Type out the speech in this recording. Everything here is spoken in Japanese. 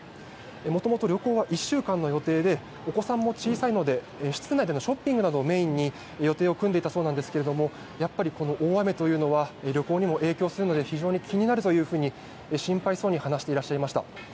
もともと旅行は１週間の予定でお子さんも小さいので室内でのショッピングなどをメインに予定を組んでいたそうなんですがやっぱり大雨というのは旅行にも影響するので非常に気になるというふうに心配そうに話していらっしゃいました。